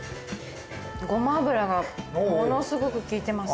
ごま油がものすごく効いてます。